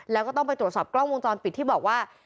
แล้วก็ต้องไปตรวจสอบกล้องวงจรปิดที่บอกว่า